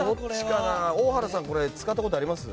大原さん使ったことあります？